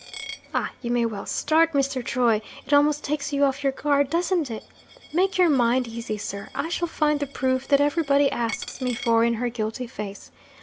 Ah! you may well start, Mr. Troy! It almost takes you off your guard, doesn't it? Make your mind easy, sir; I shall find the proof that everybody asks me for in her guilty face.